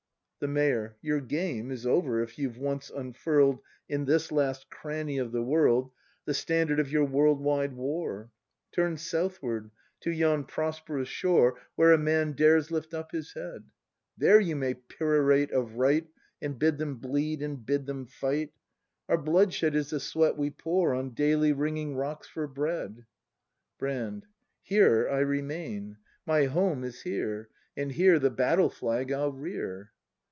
The Mayor. Your game Is over, if you've once unfurl 'd In this last cranny of the world The standard of your world wide war. Turn southward, to yon prosperous shore ACT III] BRAND 135 Where a man dares lift up his head; There you may perorate of right And bid them bleed and bid them fight; Our bloodshed is the sweat we pour In daily wringing rocks for bread. Brand. Here I remain. My home is here, And here the battle flag I'll rear!